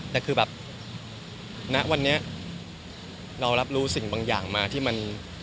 แต่คือแบบณวันนี้เรารับรู้สิ่งบางอย่างมาที่มัน